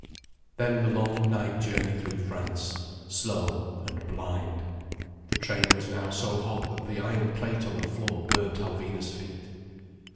Then the long night journey through France, slow and blind. The train was now so hot that the iron plate on the floor burnt Alvina's feet.